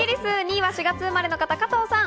２位は４月生まれの方、加藤さん。